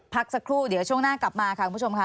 พักสักครู่เดี๋ยวช่วงหน้ากลับมาค่ะคุณผู้ชมค่ะ